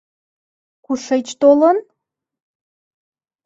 Кушеч толын?